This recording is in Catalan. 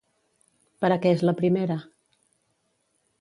Per a què és la primera?